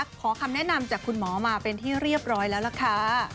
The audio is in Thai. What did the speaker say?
ขอคำแนะนำจากคุณหมอมาเป็นที่เรียบร้อยแล้วล่ะค่ะ